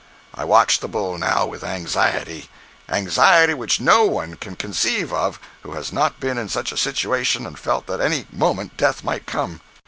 I watched the bull, now, with anxiety—anxiety which no one can conceive of who has not been in such a situation and felt that at any moment death might come.